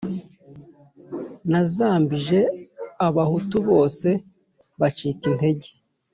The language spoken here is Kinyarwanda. Nazambije abahutu bose bacika intege